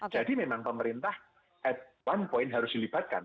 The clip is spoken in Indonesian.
jadi memang pemerintah at one point harus dilibatkan